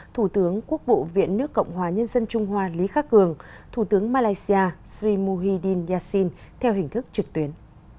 thủ tướng quốc vụ viện nước cộng hòa nhân dân trung hoa lý khắc hường thủ tướng malaysia sri muhyiddin yassin theo hình thức trực tuyến